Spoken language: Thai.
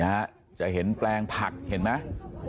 จะเห็นแปลงผักเห็นไหม